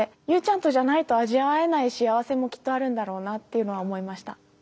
友ちゃんとじゃないと味わえない幸せもきっとあるんだろうなっていうのは思いました。